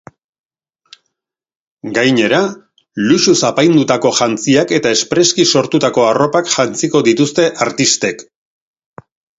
Gainera, luxuz apaindutako jantziak eta espreski sortutako arropak jantziko dituzte artistek.